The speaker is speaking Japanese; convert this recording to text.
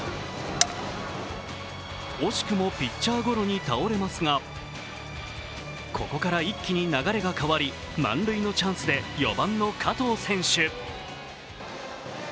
惜しくもピッチャーゴロに倒れますが、ここから一気に流れが変わり、満塁のチャンスで４番の加藤選手。